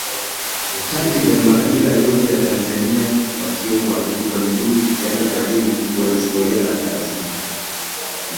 Takriban makabila yote ya Tanzania wakiwemo Waluguru yana utajiri mkubwa wa Historia na taratibu